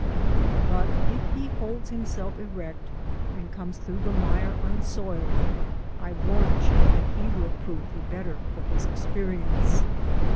But if he holds himself erect and comes through the mire unsoiled, I warrant you that he will prove the better for his experience.